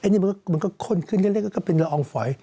อันนี้มันก็ข้นขึ้นเล็กก็เป็นละอองฝอย